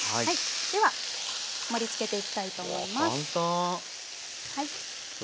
では盛りつけていきたいと思います。